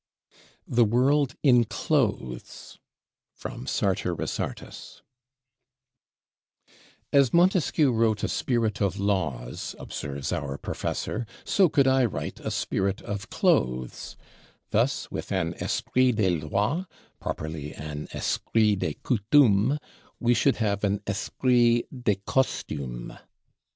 THE WORLD IN CLOTHES From 'Sartor Resartus' As Montesquieu wrote a 'Spirit of Laws,'" observes our Professor, "so could I write a 'Spirit of Clothes'; thus, with an 'Esprit des Lois,' properly an 'Esprit de Coutumes,' we should have an 'Esprit de Costumes.'